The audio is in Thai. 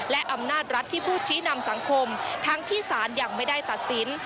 และอำนาจรัฐที่ผู้ชี้นำสังคมทั้งที่สารยังไม่ได้ตัดสิน